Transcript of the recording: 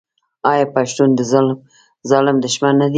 آیا پښتون د ظالم دښمن نه دی؟